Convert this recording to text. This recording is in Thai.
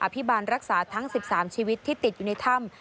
พิบาลรักษาทั้ง๑๓ชีวิตที่ติดอยู่ในถ้ำ